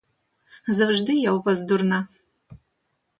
Завжди я у вас дурна!